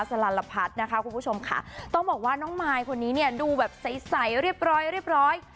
สลันลพัดนะคะคุณผู้ชมค่ะต้องบอกว่าน้องมายคนนี้เนี่ยดูแบบใสเรียบร้อย